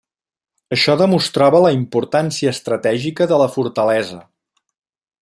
Això demostrava la importància estratègica de la fortalesa.